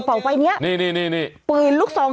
ช่วยเจียมช่วยเจียม